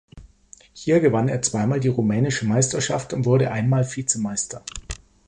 Hier gewann er zweimal die rumänische Meisterschaft und wurde ein Mal Vizemeister.